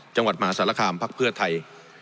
จังหวัดมหาศาลคามภักดิ์เพื่อไทย